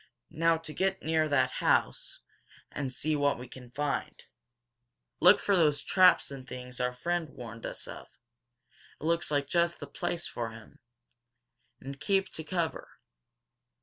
Now to get near that house, and see what we can find. Look out for those traps and things our friend warned us of. It looks like just the place for them. And keep to cover!"